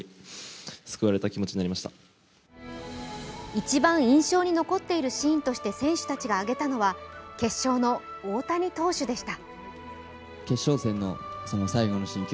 一番印象に残っているシーンとして選手たちがあげたのは決勝の大谷投手でした。